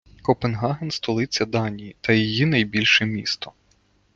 Копенгаген — столиця Данії та її найбільше місто.